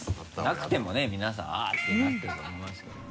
なくても皆さん「あっ」ってなってると思いますけどね。